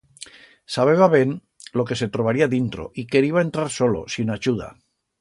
Sabeba ben lo que se trobaría dintro y queriba entrar solo, sin achuda.